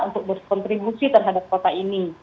untuk berkontribusi terhadap kota ini